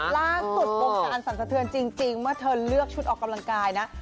ล่าสุดวงการสรรสะเทือนจริงเมื่อเธอเลือกชุดออกกำลังกายนะ